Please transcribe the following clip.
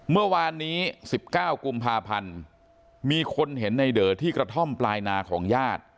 เมื่อวานนี้๑๙กุมภาพันธ์มีคนเห็นในเดอที่กระท่อมปลายนาของญาติ